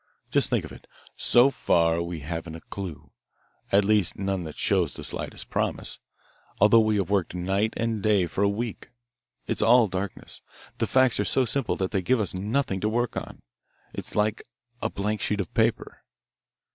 Just think of it: so far we haven't a clue, at least none that shows the slightest promise, although we have worked night and day for a week. It's all darkness. The facts are so simple that they give us nothing to work on. It is like a blank sheet of paper."